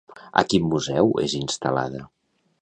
A quin museu és instal·lada?